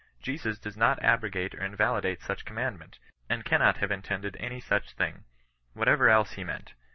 Jesus does not abrogate or invalidate such commandment, and cannc^. have intended any such thing, whatever else he meant